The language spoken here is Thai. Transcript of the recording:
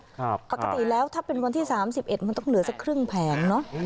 ปกติแล้วถ้าเป็นวันที่๓๑มันต้องเหลือสักครึ่งแผงเนอะ